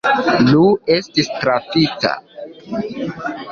Iu estis trafita.